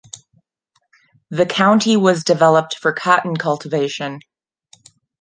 The county was developed for cotton cultivation.